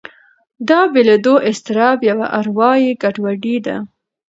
دا بېلېدو اضطراب یوه اروایي ګډوډي ده.